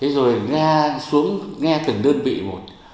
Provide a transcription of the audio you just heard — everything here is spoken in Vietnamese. rồi nghe xuống nghe từng đơn vị một